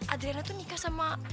adriana tuh nikah sama